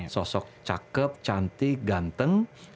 sosok cakep cantik ganteng